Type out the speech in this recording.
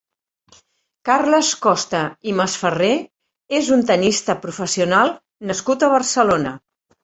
Carles Costa i Masferrer és un tennista professional nascut a Barcelona.